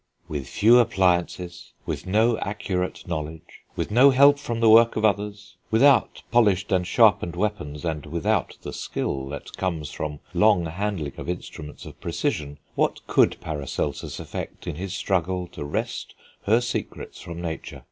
"With few appliances, with no accurate knowledge, with no help from the work of others, without polished and sharpened weapons, and without the skill that comes from long handling of instruments of precision, what could Paracelsus effect in his struggle to wrest her secrets from nature?